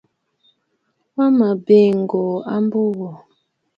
Wa mə̀ biì ŋ̀gòò a mbo wò.